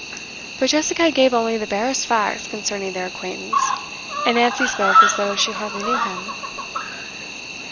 But Jessica gave only the barest facts concerning their acquaintance, and Nancy spoke as though she hardly knew him.